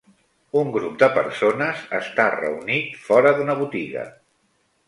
Un grup de persones està reunit fora d'una botiga.